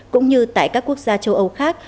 cũng như tại các quốc gia châu âu khác